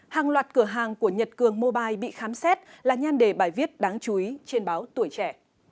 hàng loạt cửa hàng của nhật cường mobile bị khám xét là nhan đề bài viết đáng chú ý trên báo tuổi trẻ